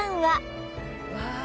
わあ。